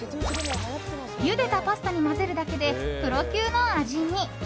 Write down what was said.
ゆでたパスタに混ぜるだけでプロ級の味に。